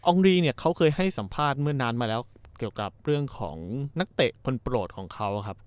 องรีเขาให้สัมภาษณ์เมื่อนั้นนานมาเกี่ยวกับเรื่องของนักเตะคนโปรดของเขา